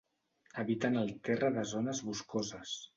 Habiten el terra de zones boscoses.